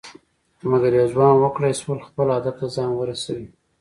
مګر یو ځوان وکړى شوى خپل هدف ته ځان ورسوي.